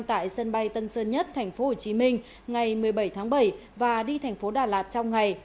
tại sân bay tân sơn nhất tp hcm ngày một mươi bảy tháng bảy và đi thành phố đà lạt trong ngày